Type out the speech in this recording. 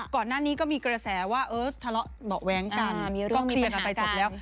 ก่อนหน้านี้ก็มีเกลือแสว่าดอกแวงกันคลียร์กันไปสดแล้ว